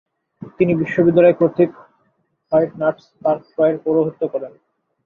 তিনি বিশ্ববিদ্যালয় কর্তৃক হোয়াইটনাইটস পার্ক ক্রয়ের পৌরোহিত্য করেন।